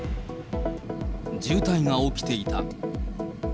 渋滞が起きていた。